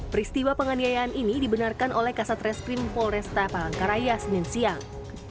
peristiwa penganiayaan ini dibenarkan oleh kasat reskrim polresta palangkaraya senin siang